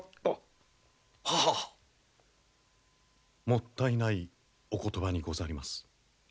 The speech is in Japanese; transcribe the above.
もったいないお言葉にござります。